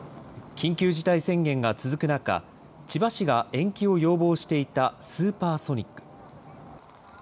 緊急事態宣言が続く中、千葉市が延期を要望していたスーパーソニック。